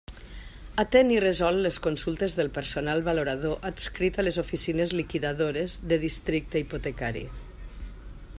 Atén i resol les consultes del personal valorador adscrit a les oficines liquidadores de districte hipotecari.